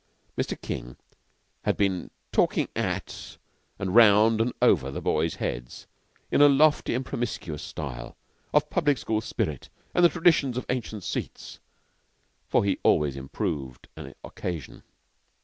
Mr. King had been talking at and round and over the boys' heads, in a lofty and promiscuous style, of public school spirit and the traditions of ancient seats; for he always improved an occasion.